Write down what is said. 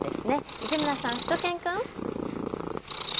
市村さん、しゅと犬くん。